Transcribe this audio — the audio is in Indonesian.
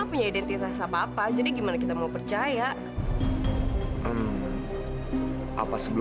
pindah ke kamar kamu aja mil